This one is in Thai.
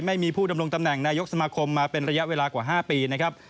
ไม่มีผู้ดำรงตำแหน่งนายกสมาคมมาเป็นระยะเวลากว่า๕ปีนะครับ